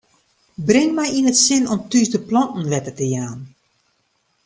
Bring my yn it sin om thús de planten wetter te jaan.